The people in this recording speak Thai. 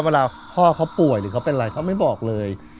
เวลาพ่อเขาป่วยหรือเขาเป็นอะไรเขาไม่บอกเลย